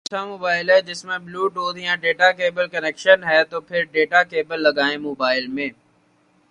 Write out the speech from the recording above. اگر آپ کے پاس اچھا موبائل ہے جس میں بلوٹوتھ یا ڈیٹا کیبل کنیکشن ہے تو پھر ڈیٹا کیبل لگائیں موبائل میں